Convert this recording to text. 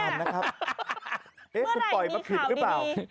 เมื่อไหร่มีข่าวดีคุณปล่อยมาผิดรึเปล่า